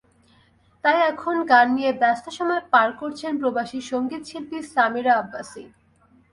তাই এখন গান নিয়ে ব্যস্ত সময় পার করছেন প্রবাসী সংগীতশিল্পী সামিরা আব্বাসী।